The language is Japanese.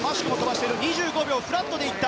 ２５秒フラットでいった。